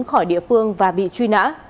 khỏi địa phương và bị truy nã